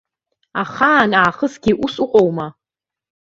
Ахаан аахысгьы ус уҟоума?